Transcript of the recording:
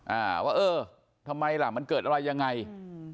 อ่าว่าเออทำไมล่ะมันเกิดอะไรยังไงอืม